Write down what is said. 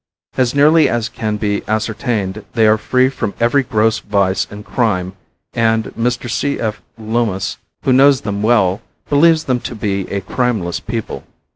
As nearly as can be ascertained they are free from every gross vice and crime and Mr. C. F. Lummis, who knows them well, believes them to be a crimeless people.